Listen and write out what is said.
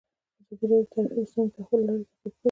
ازادي راډیو د ټرافیکي ستونزې د تحول لړۍ تعقیب کړې.